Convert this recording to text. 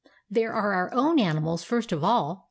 There are our own animals, first of all.